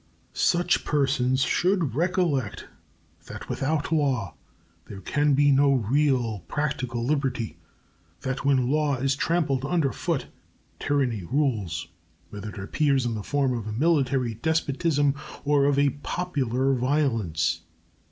Such persons should recollect that without law there can be no real practical liberty; that when law is trampled under foot tyranny rules, whether it appears in the form of a military despotism or of popular violence.